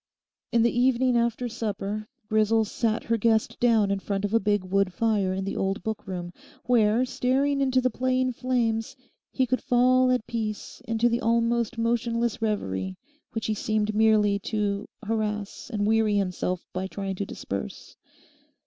In the evening after supper Grisel sat her guest down in front of a big wood fire in the old book room, where, staring into the playing flames, he could fall at peace into the almost motionless reverie which he seemed merely to harass and weary himself by trying to disperse.